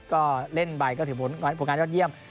ก็เล่นไปก็ถือผลงานยอดเยี่ยม